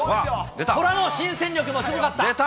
虎の新戦力もすごかった。